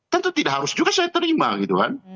tentu tidak harus juga saya terima gitu kan